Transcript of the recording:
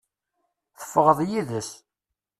Tefɣeḍ yid-s.